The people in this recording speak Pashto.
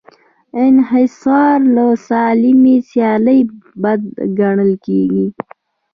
انحصار له سالمې سیالۍ بد ګڼل کېږي.